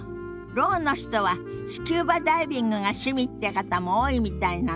ろうの人はスキューバダイビングが趣味って方も多いみたいなの。